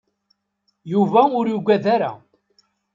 Yuba ur yuggad ara.